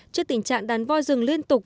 trước tình trạng đàn voi rừng liên tục